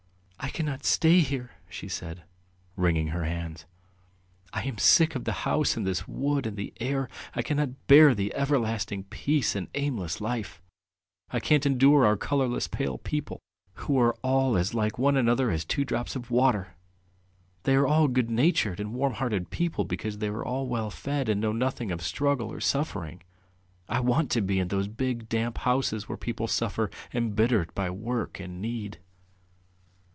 "I cannot stay here!" she said, wringing her hands. "I am sick of the house and this wood and the air. I cannot bear the everlasting peace and aimless life, I can't endure our colourless, pale people, who are all as like one another as two drops of water! They are all good natured and warm hearted because they are all well fed and know nothing of struggle or suffering, ... I want to be in those big damp houses where people suffer, embittered by work and need.